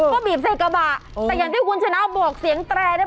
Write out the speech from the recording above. ก็บีบใส่กระบะแต่อย่างที่คุณชนะบอกเสียงแตรเนี่ย